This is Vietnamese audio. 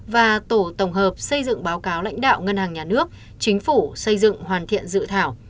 và tổ tổng hợp xây dựng báo cáo lãnh đạo ngân hàng nhà nước chính phủ xây dựng hoàn thiện dự thảo